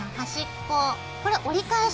これ折り返します。